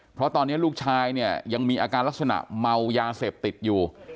เพราะตอนนี้ลูกชายเนี่ยยังมีอาการลักษณะเมายาเสพติดอยู่